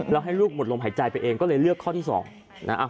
แล้วให้ลูกหมดลมหายใจไปเองก็เลยเลือกข้อที่สองนะ